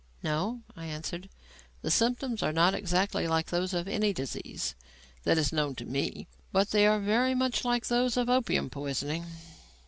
"No," I answered. "The symptoms are not exactly like those of any disease that is known to me. But they are much very like those of opium poisoning."